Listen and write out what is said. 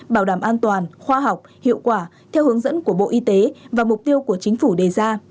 bảo đảm an toàn khoa học hiệu quả theo hướng dẫn của bộ y tế và mục tiêu của chính phủ đề ra